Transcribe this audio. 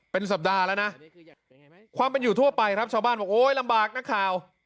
เป็นสัปดาห์แล้วนะความเป็นอยู่ทั่วไปครับชาวบ้านบอกโอ๊ยลำบากนักข่าว